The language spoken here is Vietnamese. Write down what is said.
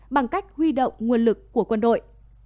bằng cách huy động nguồn lực của quân đội